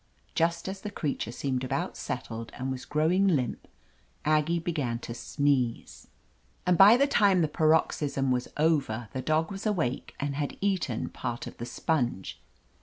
Just as the creature seemed about settled and was growing limp, Aggie began to sneeze, and by the time the paroxysm was over 299 THE AMAZING ADVENTURES the dog was awake and had eaten part of the sponge.